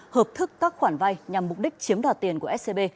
hợp thức các khoản vay nhằm mục đích chiếm đoạt tiền của scb